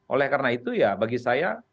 oleh karena itu ya bagi saya